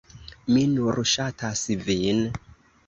Mi nur ŝatas vin!